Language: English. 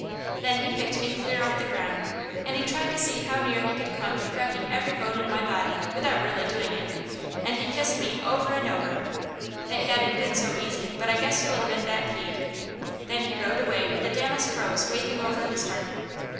Then he picked me clear off the ground, and he tried to see how near he could come to cracking every bone in my body without really doing it, and he kissed me over and over. It hadn't been so easy, but I guess you'll admit that paid. Then he rode away with the damask rose waving over his heart.